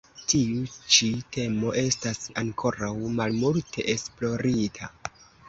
Tiu ĉi temo estas ankoraŭ malmulte esplorita.